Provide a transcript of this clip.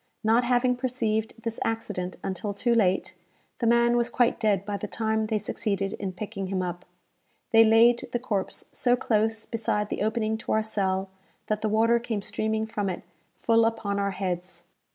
Not having perceived this accident until too late, the man was quite dead by the time they succeeded in picking him up. They laid the corpse so close beside the opening to our cell, that the water came streaming from it full upon our heads.